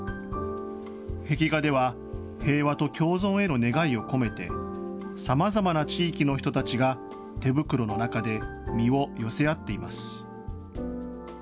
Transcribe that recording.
壁画では、平和と共存への願いを込めて、さまざまな地域の人たちが、手袋の中で身を寄せ合っています。